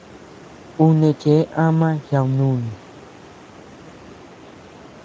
Uu neé cheʼe ama yadnuni.